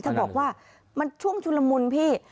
เธอบอกว่ามันช่วงชุลมุนพี่